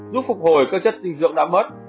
giúp phục hồi các chất dinh dưỡng đã mất